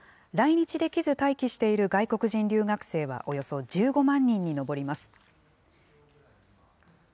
来日できず待機している外国人留学生はおよそ１５万人に上ります。